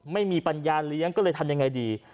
ปัญญาเลี้ยงก็เลยทำยังไงดี